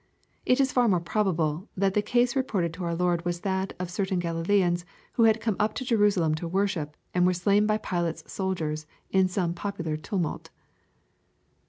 It in far more probable that the case reported to our Lord was that of certain G alilaeans who had come up to Jerusalem to worship, and were slain by Pilate's soldiers in some popular tumult.